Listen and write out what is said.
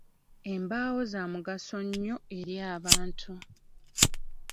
Embaawo za mugaso nnyo eri abantu.